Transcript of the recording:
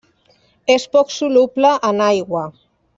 És poc soluble en aigua.